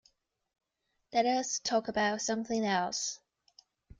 Let us talk about something else.